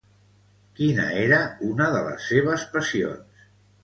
Quina era una de les seves passions?